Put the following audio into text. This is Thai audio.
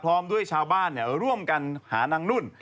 พร้อมด้วยชาวบ้านร่วมกันหานางนุ่น